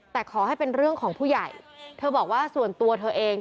แต่ขอให้เป็นเรื่องของผู้ใหญ่เธอบอกว่าส่วนตัวเธอเอง